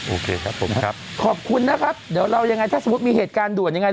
โอเคครับผมครับขอบคุณนะครับเดี๋ยวเรายังไงถ้าสมมุติมีเหตุการณ์ด่วนยังไง